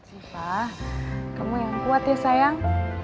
simpah kamu yang kuat ya sayang